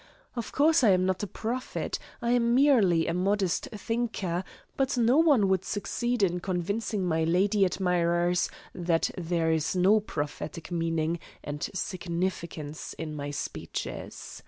Of course I am not a prophet; I am merely a modest thinker, but no one would succeed in convincing my lady admirers that there is no prophetic meaning and significance in my speeches.